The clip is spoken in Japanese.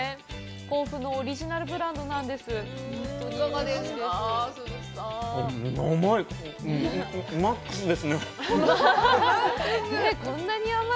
甲府のオリジナルブランドなんです。